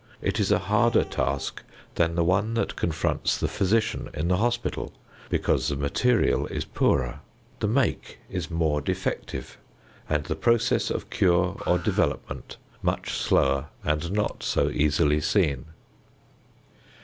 It is a harder task than the one that confronts the physician in the hospital, because the material is poorer, the make is more defective, and the process of cure or development much slower and not so easily seen.